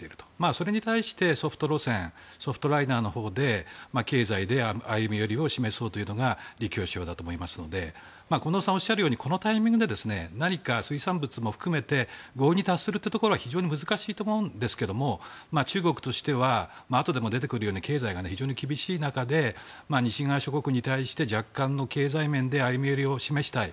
それに対して、ソフト路線ソフトライナーのほうで経済で歩み寄りを示そうというのが李強首相だと思うので近藤さんがおっしゃるようにこのタイミングで何か水産物も含めて合意に達することは非常に難しいと思いますが中国としてはあとでも出てくるように経済が非常に厳しい中で西側諸国に対して、若干経済面で歩み寄りを示したい。